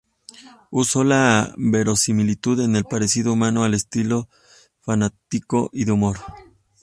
Usó la verosimilitud en el parecido humano, al estilo fantástico y de humor.